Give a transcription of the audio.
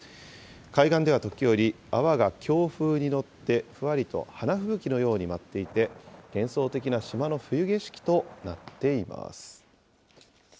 海岸では時折、泡が強風に乗ってふわりと花吹雪のように舞っていて、幻想的な島の冬景色となっています。